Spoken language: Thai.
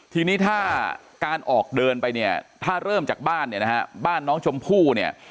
ทีนี้ถ้าการออกเดินไปเนี่ยถ้าเริ่มจากบ้านเนี่ยนะฮะบ้านน้องชมพู่เนี่ย